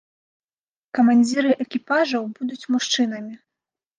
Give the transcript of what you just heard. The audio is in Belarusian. Камандзіры экіпажаў будуць мужчынамі.